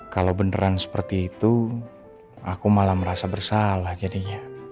kalau beneran seperti itu aku malah merasa bersalah jadinya